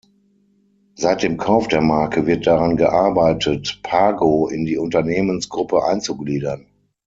Seit dem Kauf der Marke wird daran gearbeitet, Pago in die Unternehmensgruppe einzugliedern.